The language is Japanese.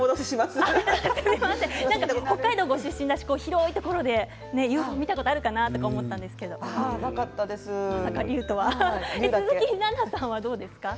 北海道出身ですから広いところで見たことがあるかなと思ったんですが鈴木奈々さんはどうですか？